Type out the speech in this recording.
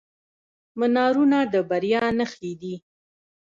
منارونه د بریا نښې دي.